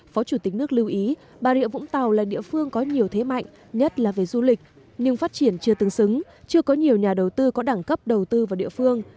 phó chủ tịch nước lưu ý bà rịa vũng tàu là địa phương có nhiều thế mạnh nhất là về du lịch nhưng phát triển chưa tương xứng chưa có nhiều nhà đầu tư có đẳng cấp đầu tư vào địa phương